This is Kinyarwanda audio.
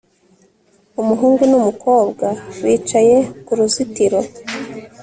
Umuhungu numukobwa bicaye kuruzitiro